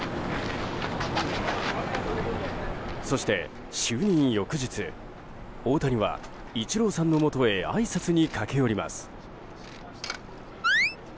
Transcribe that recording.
そして、就任翌日大谷はイチローさんのもとへあいさつに駆け寄ります。